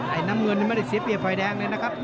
น้ำเงินไม่ได้เสียเปรียบไฟแดงเลยนะครับ